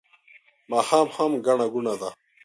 ماښام هم ګڼه ګوڼه ده